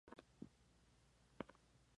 Presidente: Alberto Santiago